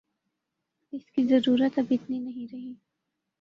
اس کی ضرورت اب اتنی نہیں رہی